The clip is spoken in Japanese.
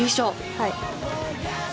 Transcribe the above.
はい。